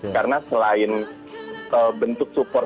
karena selain bentuk support